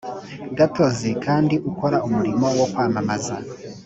gatozi kandi ukora umurimo wo kwamamaza